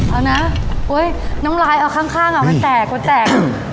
เอานะอุ้ยน้องลายเอาข้างข้างอ่ะมันแตกมันแตก